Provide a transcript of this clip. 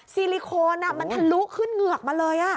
ซิลิโคนมันทะลุขึ้นเหงือกมาเลย